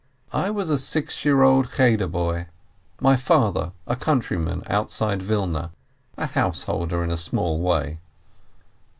I was a six year old Cheder boy, my father a countryman outside Wilna, a householder in a small way.